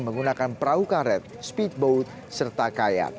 menggunakan perahu karet speedboat serta kayak